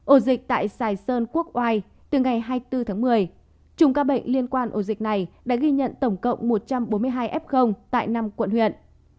ổ dịch tại sài sơn quốc oai từ ngày hai mươi bốn tháng một mươi chủng ca bệnh liên quan ổ dịch này đã ghi nhận tổng cộng một trăm bốn mươi hai f tại năm quận huyện